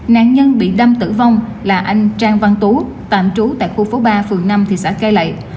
nạn nhân bị đâm tử vong là anh trang văn tú tạm trú tại khu phố ba phường năm thị xã cai lậy